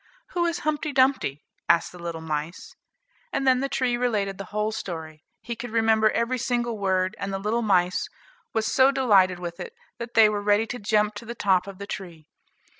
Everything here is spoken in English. "Who is Humpty Dumpty?" asked the little mice. And then the tree related the whole story; he could remember every single word, and the little mice was so delighted with it, that they were ready to jump to the top of the tree.